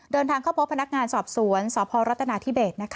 เดินทางเข้าพบพนักงานสอบสวนสพรัฐนาธิเบส